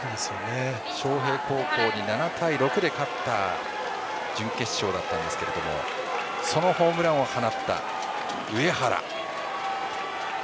昌平高校に７対６で勝った準決勝だったんですがそのホームランを放った、上原。